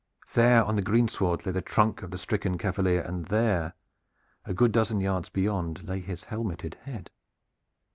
There on the greensward lay the trunk of the stricken cavalier, and there, a good dozen yards beyond, lay his helmeted head.